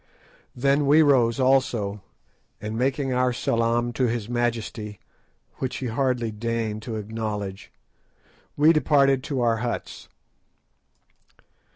Then we rose also, and making our salaam to his majesty, which he hardly deigned to acknowledge, we departed to our huts.